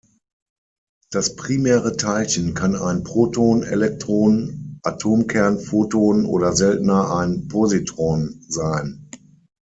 Das primäre Teilchen kann ein Proton, Elektron, Atomkern, Photon oder seltener ein Positron sein.